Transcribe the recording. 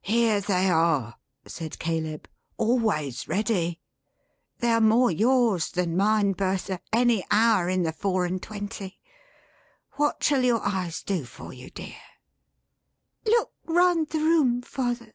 "Here they are," said Caleb. "Always ready. They are more your's than mine, Bertha, any hour in the four and twenty. What shall your eyes do for you, dear?" "Look round the room, father."